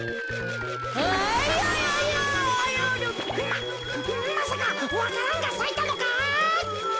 ままさかわか蘭がさいたのか？